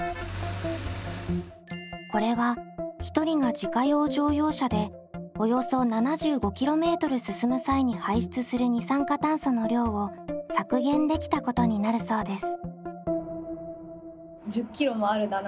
これは１人が自家用乗用車でおよそ７５ｋｍ進む際に排出する二酸化炭素の量を削減できたことになるそうです。